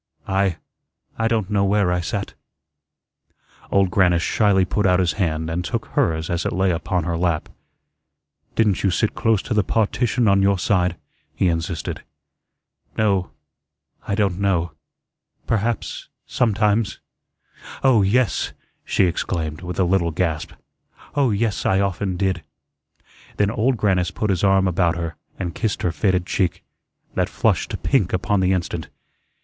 "I I don't know where I sat." Old Grannis shyly put out his hand and took hers as it lay upon her lap. "Didn't you sit close to the partition on your side?" he insisted. "No I don't know perhaps sometimes. Oh, yes," she exclaimed, with a little gasp, "Oh, yes, I often did." Then Old Grannis put his arm about her, and kissed her faded cheek, that flushed to pink upon the instant.